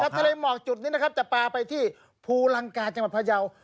ทะเลหมอกจุดนี้จะปลาไปที่ภูลังกาจังหวัดพระเยา